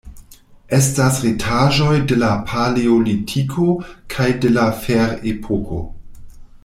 Estas restaĵoj de la Paleolitiko kaj de la Ferepoko.